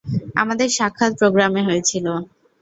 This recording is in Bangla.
আমাদের সাক্ষাৎ প্রোগ্রামে হয়েছিল।